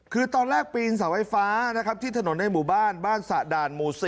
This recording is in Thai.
คือตอนแรกปีนเสาไฟฟ้านะครับที่ถนนในหมู่บ้านบ้านสะด่านหมู่๔